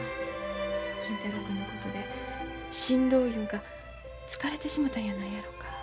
金太郎君のことで心労いうんか疲れてしもたんやないやろか。